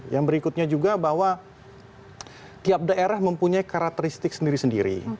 yang berikutnya juga bahwa tiap daerah mempunyai karakteristik sendiri sendiri